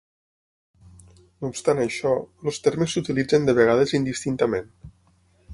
No obstant això, els termes s'utilitzen de vegades indistintament.